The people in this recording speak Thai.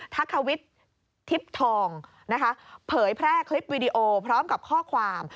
ทักควิทย์ทิพย์ทองนะคะเผยแพร่คลิปวิดีโอพร้อมกับข้อความ